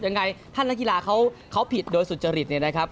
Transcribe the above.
ยังไงท่านนักกีฬาเขาผิดโดยสุจริตเนี่ยนะครับ